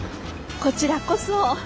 こちらこそ。